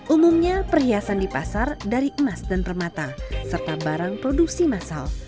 umumnya perhiasan di pasar dari emas dan permata serta barang produksi masal